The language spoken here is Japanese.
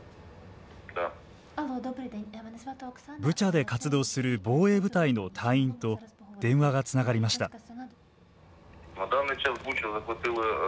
ブチャで活動する防衛部隊の隊員と電話がつながりました。